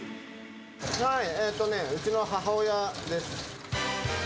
はい、えっとね、うちの母親です。